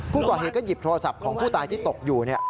ผู้ก่อเหตุก็หยิบโทรศัพท์ของผู้ตายที่ตกอยู่